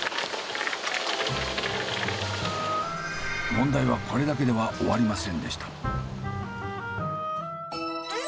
問題はこれだけでは終わりませんでした。